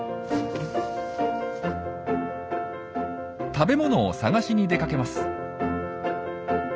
食べ物を探しに出かけます。